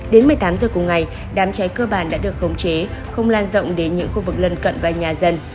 đến một mươi tám h cùng ngày đám cháy cơ bản đã được khống chế không lan rộng đến những khu vực lân cận và nhà dân